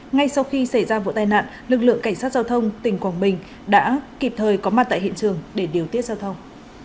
ngay sau khi xảy ra vụ tai nạn lực lượng cảnh sát giao thông tỉnh quảng bình đã kịp thời có mặt tại hiện trường để điều tiết giao thông